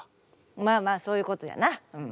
まあまあそういうことやな。